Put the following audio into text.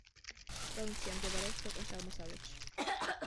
პროვინცია მდებარეობს ქვეყნის აღმოსავლეთში.